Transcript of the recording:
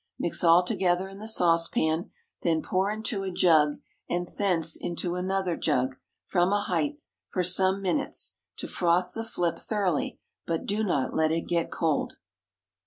Mix all together in the saucepan, then pour into a jug, and thence into another jug, from a height, for some minutes, to froth the flip thoroughly but do not let it get cold.